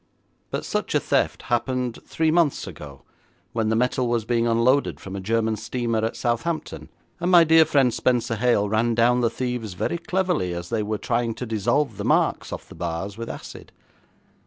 But such a theft happened three months ago, when the metal was being unloaded from a German steamer at Southampton, and my dear friend Spenser Hale ran down the thieves very cleverly as they were trying to dissolve the marks off the bars with acid.